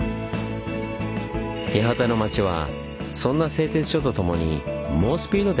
八幡の町はそんな製鐵所とともに猛スピードで発展を遂げました。